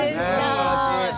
すばらしい。